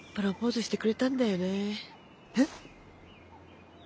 えっ！？